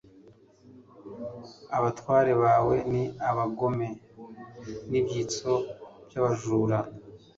abatware bawe ni abagome n'ibyitso by'abajura